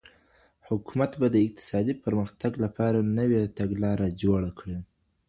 حکومت به د اقتصادي پرمختګ لپاره نوي تګلاره جوړه کړي.